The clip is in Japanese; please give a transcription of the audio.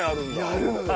やるのよ。